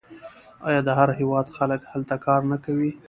آیا د هر هیواد خلک هلته کار نه کوي؟